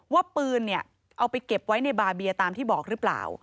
ว่าปืนเนี่ยเอาไปเก็บไว้ในบาเบียตามที่บอกหรือเปล่า